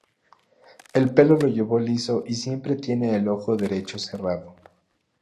El pelo lo lleva liso y siempre tiene el ojo derecho cerrado.